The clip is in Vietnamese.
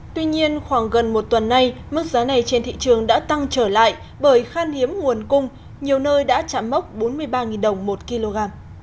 tuy nhiên khoảng gần một tuần nay mức giá này trên thị trường đã tăng trở lại bởi khan hiếm nguồn cung nhiều nơi đã chạm mốc bốn mươi ba đồng một kg